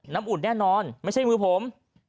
อุ่นแน่นอนไม่ใช่มือผม